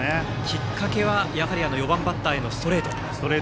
きっかけは、やはり４番バッターへのストレート。